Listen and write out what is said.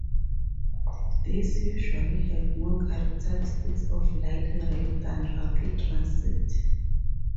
These usually have more characteristics of light rail than rapid transit.